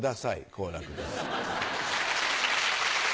好楽です。